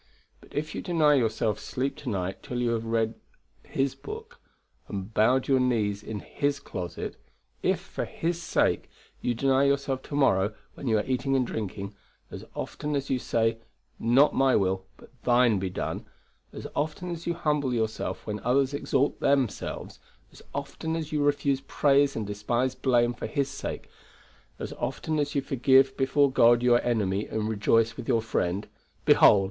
But if you deny yourself sleep to night till you have read His book and bowed your knees in His closet; if, for His sake, you deny yourself to morrow when you are eating and drinking; as often as you say, "Not my will, but Thine be done"; as often as you humble yourself when others exalt themselves; as often as you refuse praise and despise blame for His sake; as often as you forgive before God your enemy, and rejoice with your friend, Behold!